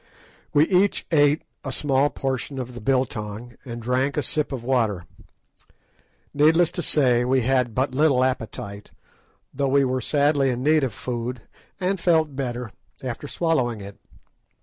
We each ate a small portion of the "biltong," and drank a sip of water. Needless to say, we had but little appetite, though we were sadly in need of food, and felt better after swallowing it.